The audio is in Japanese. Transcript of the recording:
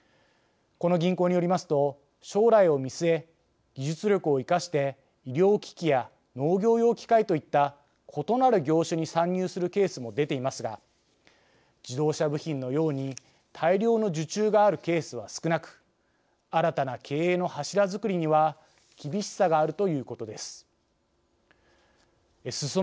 この銀行によりますと将来を見据え技術力を生かして医療機器や農業用機械といった異なる業種に参入するケースも出ていますが自動車部品のように大量の受注があるケースは少なく新たな経営の柱づくりには厳しさがあるということです。